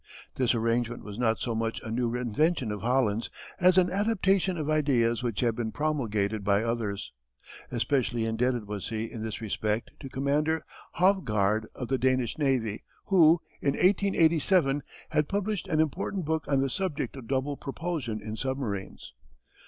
This arrangement was not so much a new invention of Holland's as an adaptation of ideas which had been promulgated by others. Especially indebted was he in this respect to Commander Hovgaard of the Danish navy who, in 1887, had published an important book on the subject of double propulsion in submarines.